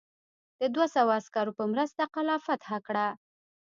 د دوه سوه عسکرو په مرسته قلا فتح کړه.